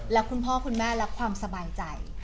แล้วคุณพ่อคุณแม่รับความสบายใจ